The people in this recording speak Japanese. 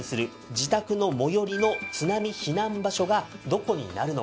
自宅の最寄りの津波避難場所がどこになるのか。